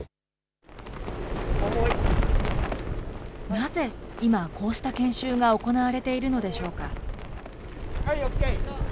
なぜ今、こうした研修が行われているのでしょうか。